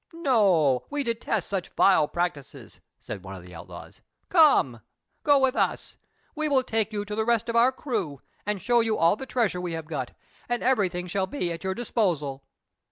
"No; we detest such vile practices," said one of the outlaws. "Come, go with us. We will take you to the rest of our crew, and show you all the treasure we have got, and everything shall be at your disposal."